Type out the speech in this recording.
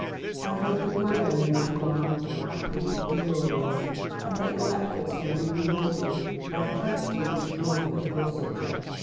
I hope that your reign may be long, happy, and glorious, and that your efforts may be rewarded by the thankfulness and love of your subjects."